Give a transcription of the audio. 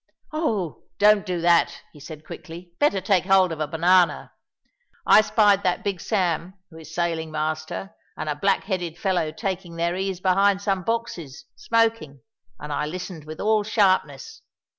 "Oh, don't do that!" he said quickly; "better take hold of a banana. I spied that Big Sam, who is sailing master, and a black headed fellow taking their ease behind some boxes, smoking, and I listened with all sharpness.